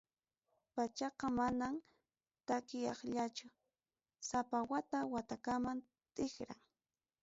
Pachaqa manam takiaqllachu, sapa wata watakamam tikran.